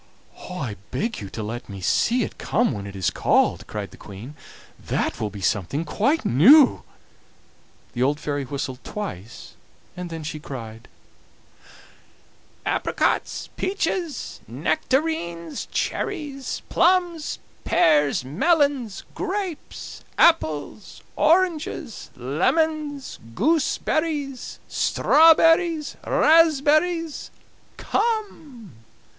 "'I beg you to let me see it come when it is called,' cried the Queen; 'that will be something quite new.' The old fairy whistled twice, then she cried: "'Apricots, peaches, nectarines, cherries, plums, pears, melons, grapes, apples, oranges, lemons, gooseberries, strawberries, raspberries, come!